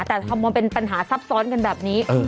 แต่ทำมาเป็นปัญหาซับซ้อนกันแบบนี้